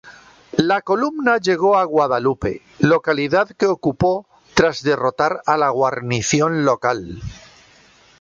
La columna llegó a Guadalupe, localidad que ocupó tras derrotar a la guarnición local.